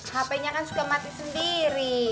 hpnya kan suka mati sendiri